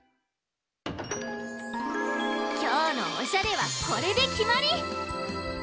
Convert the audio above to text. きょうのおしゃれはこれできまり！